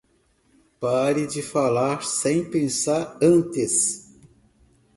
Pare de falar sem pensar antes.